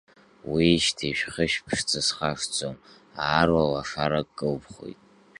Уиижьҭеи шәхышә ԥшӡа схашҭӡом, аарла лашарак кылԥхоит…